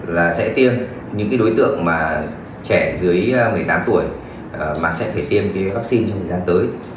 là sẽ tiêm những cái đối tượng mà trẻ dưới một mươi tám tuổi mà sẽ phải tiêm vaccine trong thời gian tới